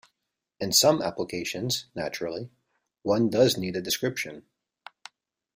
In some applications, naturally, one does need a description.